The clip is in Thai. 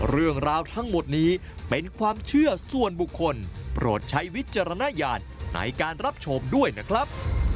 เรื่องราวทั้งหมดนี้เป็นความเชื่อส่วนบุคคลโปรดใช้วิจารณญาณในการรับชมด้วยนะครับ